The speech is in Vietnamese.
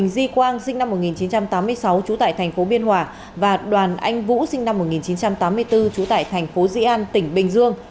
di quang sinh năm một nghìn chín trăm tám mươi sáu trú tại tp biên hòa và đoàn anh vũ sinh năm một nghìn chín trăm tám mươi bốn trú tại tp dĩ an tỉnh bình dương